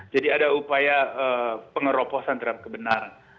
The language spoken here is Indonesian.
jadi ada upaya pengeroposan terhadap kebenaran